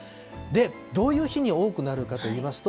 どういう日に多くなるかといいますと。